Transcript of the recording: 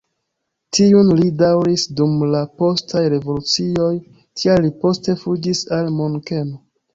Tiun li daŭris dum la postaj revolucioj, tial li poste fuĝis al Munkeno.